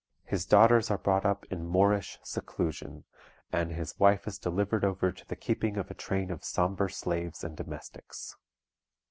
His daughters are brought up in Moorish seclusion, and his wife is delivered over to the keeping of a train of sombre slaves and domestics."